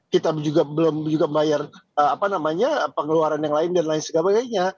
kita juga belum juga membayar pengeluaran yang lain dan lain sebagainya